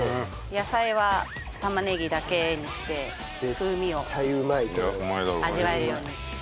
野菜は玉ねぎだけにして風味を味わえるように。